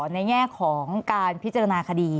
ในแง่ของการพิจารณาคดี